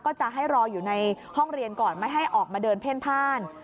ก็จะให้รออยู่ในห้องเรียนก่อนไม่ให้ออกมาเดินเพ่นพ่าน